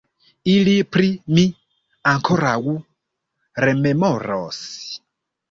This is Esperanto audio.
Ili pri mi ankoraŭ rememoros!